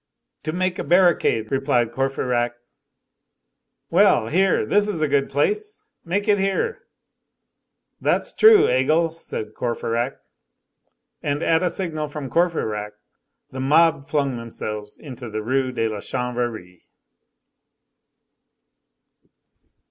"To make a barricade," replied Courfeyrac. "Well, here! This is a good place! Make it here!" "That's true, Aigle," said Courfeyrac. And at a signal from Courfeyrac, the mob flung themselves into the Rue de la Chanvrerie.